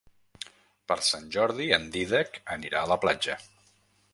Per Sant Jordi en Dídac anirà a la platja.